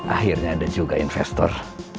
akhirnya ada juga investor